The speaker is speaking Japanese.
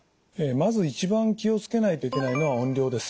まず一番気を付けないといけないのは音量です。